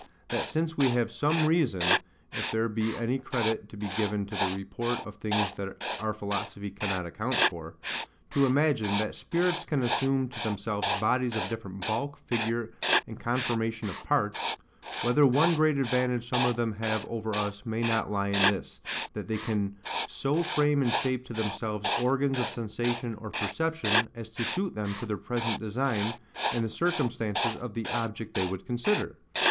That since we have some reason (if there be any credit to be given to the report of things that our philosophy cannot account for) to imagine, that Spirits can assume to themselves bodies of different bulk, figure, and conformation of parts—whether one great advantage some of them have over us may not lie in this, that they can so frame and shape to themselves organs of sensation or perception, as to suit them to their present design, and the circumstances of the object they would consider.